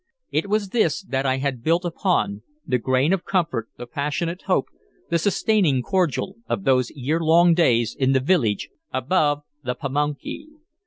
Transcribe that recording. It was this that I had built upon, the grain of comfort, the passionate hope, the sustaining cordial, of those year long days in the village above the Pamunkey.